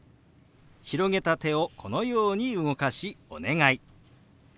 広げた手をこのように動かし「お願い」。